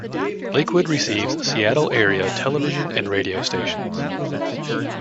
Lakewood receives Seattle area television and radio stations.